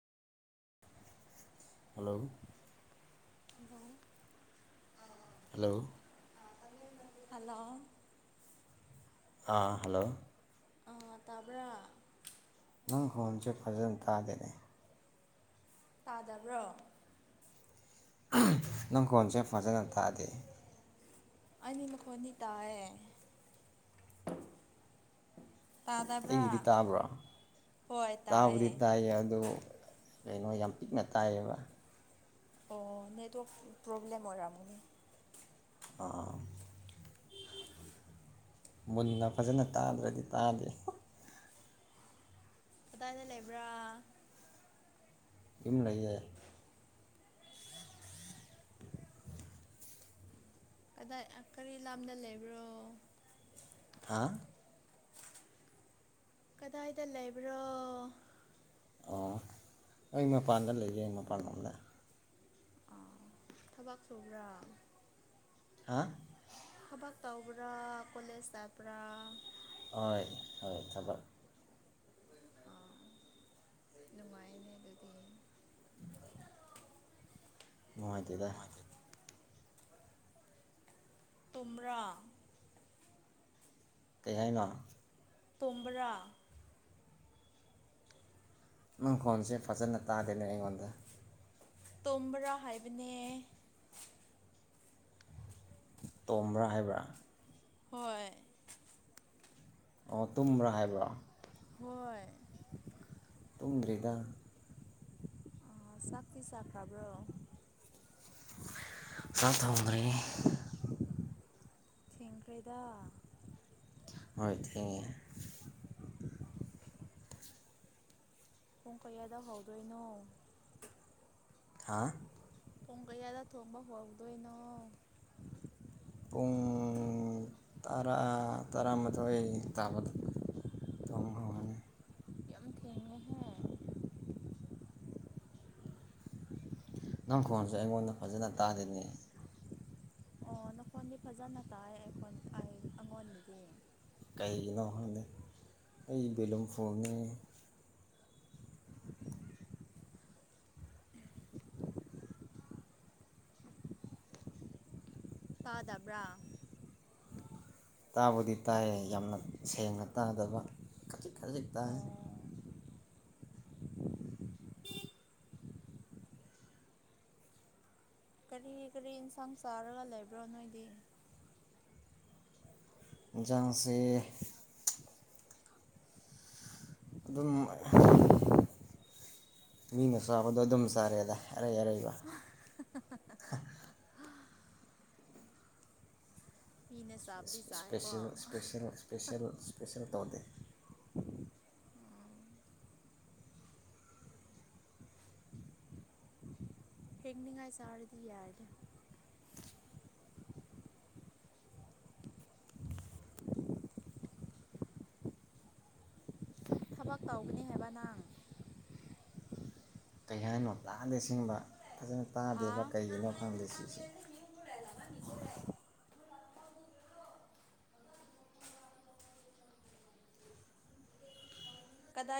hello [unintelligible] hello hello ꯑꯥ hello ꯑ ꯇꯥꯕ꯭ꯔꯥ ꯅꯪ ꯍꯣꯟꯁꯦ ꯐꯖꯅ ꯇꯥꯗꯅꯦ ꯑꯩ ꯇꯥꯗꯕ꯭ꯔꯣ [unintelligible] ꯅꯪꯈꯣꯟꯁꯦ ꯐꯖꯅ ꯊꯥꯗꯦ ꯑꯩ ꯑꯩꯅꯤ ꯃꯈꯣꯅꯤ ꯇꯥꯏꯌꯦ ꯇꯥꯗꯕ꯭ꯔꯥ ꯑꯩꯒꯤꯗꯤ ꯇꯥꯕ꯭ꯔꯣ ꯇꯥꯕꯨꯗꯤ ꯇꯥꯏꯌꯦ ꯑꯗꯨꯕꯨ ꯀꯩꯅꯣ ꯌꯥꯝ ꯄꯤꯛꯅ ꯇꯥꯏꯌꯦꯕ ꯑꯣ ꯅꯦꯠꯋꯥꯔꯛ ꯄꯣꯕ꯭ꯂꯂꯦꯝ ꯑꯣꯏꯔꯕꯅꯤ ꯑ ꯃꯨꯟꯅ ꯐꯖꯅ ꯇꯥꯗ꯭ꯔꯗꯤ ꯇꯥꯗꯦ ꯀꯗꯥꯏꯗ ꯂꯩꯕ꯭ꯔꯥ ꯌꯨꯝ ꯂꯩꯩꯉꯦ ꯑꯗꯥ ꯑ ꯀꯔꯤ ꯂꯥꯝꯗ ꯂꯩꯕ꯭ꯔꯣ ꯍꯥ ꯀꯗꯥꯏꯗ ꯂꯩꯕ꯭ꯔꯣ ꯑꯣ ꯑꯩ ꯃꯄꯥꯟꯗ ꯂꯩꯌꯦ ꯃꯄꯥꯟ ꯂꯝꯗ ꯑꯥ ꯊꯕꯛ ꯁꯨꯧꯕ꯭ꯔꯥ ꯍꯥ ꯇꯧꯕ꯭ꯔꯥ ꯀꯣꯂꯦꯖ ꯆꯠꯕ꯭ꯔꯥ ꯍꯣꯏ ꯍꯣꯏ ꯊꯕꯛ ꯑꯥ ꯅꯨꯡꯉꯥꯏꯅꯦꯅ ꯑꯗꯗꯤ ꯅꯨꯡꯉꯥꯏꯇꯦꯗ ꯇꯨꯝꯕꯔ ꯀꯩ ꯍꯥꯏꯅꯣ ꯇꯨꯝꯕ꯭ꯔꯥ ꯅꯪ ꯐꯣꯟꯁꯦ ꯐꯖꯅ ꯇꯥꯗꯦꯅꯦ ꯑꯩꯉꯣꯟꯗ ꯇꯨꯝꯕꯔꯥ ꯍꯥꯏꯕꯅꯦ ꯇꯣꯝꯕ꯭ꯔꯥ ꯍꯥꯏꯕ꯭ꯔꯥ ꯍꯣꯏ ꯑꯣ ꯇꯨꯝꯕ꯭ꯔꯥ ꯍꯥꯏꯕ꯭ꯔꯣ ꯍꯣꯏ ꯇꯨꯝ꯭ꯗꯔꯤꯗ ꯑꯣ ꯆꯇꯤ ꯆꯥ ꯈꯔꯥꯕ꯭ꯔꯣ [unintelligible] ꯆꯥꯛ ꯊꯣꯡꯗ꯭ꯔꯤ ꯊꯦꯡꯒ꯭ꯔꯤꯗ ꯑꯣꯏ ꯊꯦꯡꯉꯦ ꯄꯨꯡ ꯀꯌꯥꯗ ꯍꯧꯗꯣꯏꯅꯣ ꯍꯥ ꯄꯨꯡ ꯀꯌꯥꯗ ꯊꯣꯡꯕ ꯍꯧꯗꯣꯏꯅꯣ ꯎꯡ ꯇꯔꯥ ꯇꯔꯥꯃꯊꯣꯏ ꯇꯥꯕꯗ ꯊꯣꯡꯕ ꯍꯧꯔꯅꯤ ꯏꯡꯉꯦꯍꯦ ꯅꯪ ꯈꯣꯟꯁꯦ ꯑꯩꯉꯣꯟꯗ ꯐꯖꯅ ꯇꯥꯗꯦꯅꯦ ꯑꯣ ꯅꯈꯣꯟꯗꯤ ꯐꯖꯅ ꯇꯥꯏ ꯑꯩ ꯑꯩꯉꯣꯟꯗꯗꯤ ꯀꯩꯒꯤꯅꯣ ꯈꯪꯗꯦ ꯑꯩ ꯕꯦꯂꯨꯝ ꯐꯣꯔꯃꯤ ꯎꯝ [inaudible] ꯇꯗꯕ꯭ꯔꯥ ꯇꯥꯕꯨꯗꯤ ꯇꯥꯏꯌꯦ ꯌꯥꯝꯅ ꯁꯦꯡꯅ ꯇꯥꯗꯕ ꯈꯖꯤꯛ ꯈꯖꯤꯛ ꯑꯣ ꯇꯥꯏ ꯀꯔꯤ ꯀꯔꯤ ꯌꯦꯟꯁꯥꯡ ꯆꯥꯔꯒ ꯂꯩꯕ꯭ꯔꯣ ꯅꯣꯏꯗꯤ ꯍꯦꯟꯁꯥꯡꯁꯦ ꯑꯗꯨꯝ ꯃꯤꯅ ꯆꯕꯗꯣ ꯑꯗꯨꯝ ꯆꯔꯦꯗ ꯑꯔꯩ ꯑꯔꯩꯕ ꯃꯤꯅ ꯆꯥꯕꯗꯤ ꯆꯥꯏꯀꯣ ꯁ꯭ꯄꯦꯜꯁꯦꯜ ꯁ꯭ꯄꯦꯜꯁꯦꯜ ꯁ꯭ꯄꯦꯜꯁꯦꯜ ꯇꯧꯗꯦ ꯍꯦꯛꯅꯤꯡꯉꯥꯏ ꯆꯥꯔꯗꯤ ꯌꯥꯏꯗ [inaudible] ꯊꯕꯛ ꯇꯧꯕꯅꯤ ꯍꯥꯏꯕ ꯅꯪ ꯀꯩ ꯍꯥꯏꯅꯣ ꯇꯥꯗꯦ ꯑꯁꯦꯡꯕ ꯐꯖꯅ ꯍꯥ ꯇꯥꯗꯦꯕ ꯀꯩꯒꯤꯅꯣ ꯈꯪꯗꯦ ꯁꯤꯁꯦ ꯀꯗꯥꯏ